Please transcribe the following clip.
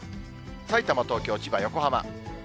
さいたま、東京、千葉、横浜。